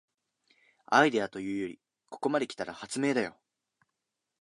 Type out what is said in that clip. アイデアというよりここまで来たら発明だよ